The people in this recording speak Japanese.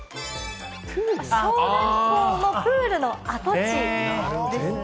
小学校のプールの跡地なんですね。